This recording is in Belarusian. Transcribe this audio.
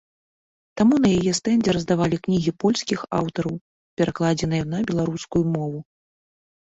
Таму на яе стэндзе раздавалі кнігі польскіх аўтараў, перакладзеныя на беларускую мову.